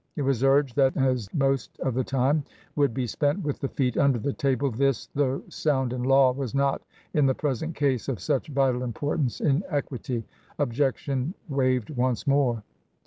It was urged that as most of the time would be spent with the feet under the table, this, though sound in law, was not in the present case of such vital importance in equity. Objection waived once more.